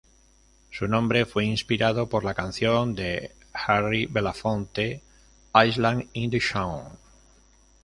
Su nombre fue inspirado por la canción de Harry Belafonte, "Island in the Sun".